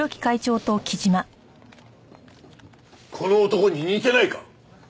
この男に似てないか？